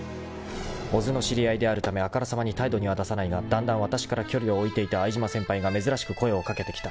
［小津の知り合いであるためあからさまに態度には出さないがだんだんわたしから距離を置いていた相島先輩が珍しく声を掛けてきた］